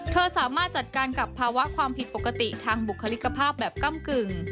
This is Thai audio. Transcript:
สามารถจัดการกับภาวะความผิดปกติทางบุคลิกภาพแบบก้ำกึ่ง